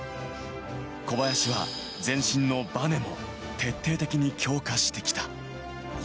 小林は全身のバネを徹底的に強化してきた。